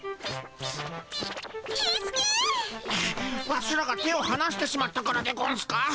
ワシらが手をはなしてしまったからでゴンスか？